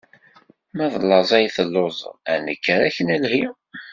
Ma d laẓ ay telluẓeḍ, ad nekker ad ak-nelhi.